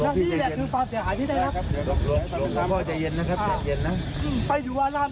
เราไปอารามไหนได้ไหม